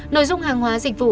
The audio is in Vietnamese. nội dung hàng hóa dịch vụ